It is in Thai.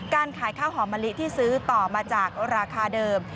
การขายข้าวหอมมะลิที่ซื้อต่อมาจากราคาเดิม